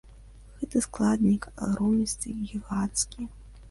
Гэты складнік агромністы, гіганцкі.